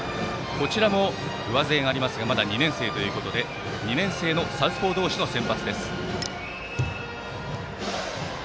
こちらも上背がありますがまだ２年生ということで２年生のサウスポー同士の先発。